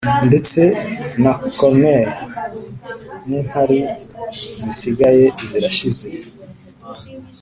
ndetse na cornea n'inkari zisigaye zarashize.